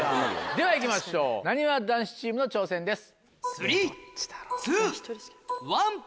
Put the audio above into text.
ではいきましょうなにわ男子チームの挑戦です。